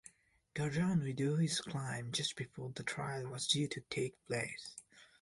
Gordon withdrew his claim just before the trial was due to take place.